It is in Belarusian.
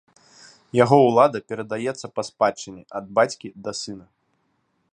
Яго ўлада перадаецца па спадчыне ад бацькі да сына.